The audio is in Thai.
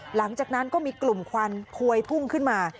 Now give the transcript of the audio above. หลังจากนั้นก็มีกลุ่มควันพวยพุ่งขึ้นมา